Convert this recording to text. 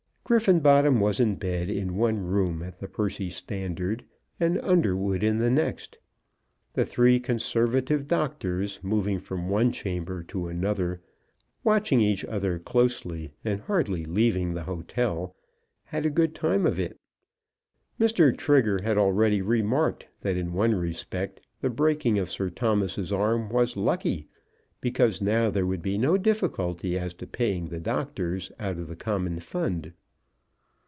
Griffenbottom was in bed in one room at the Percy Standard, and Underwood in the next. The three conservative doctors moving from one chamber to another, watching each other closely, and hardly leaving the hotel, had a good time of it. Mr. Trigger had already remarked that in one respect the breaking of Sir Thomas's arm was lucky, because now there would be no difficulty as to paying the doctors out of the common fund.